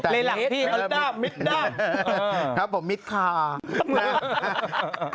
เรลักที่นั่นนี่ด้าบมิจด้าบ